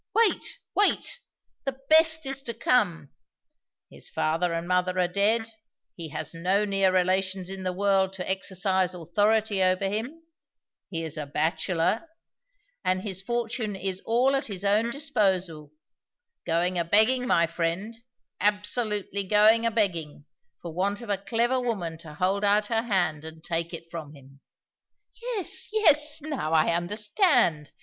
Wait! wait! the best is to come. His father and mother are dead he has no near relations in the world to exercise authority over him he is a bachelor, and his fortune is all at his own disposal; going a begging, my friend; absolutely going a begging for want of a clever woman to hold out her hand and take it from him." "Yes, yes now I understand.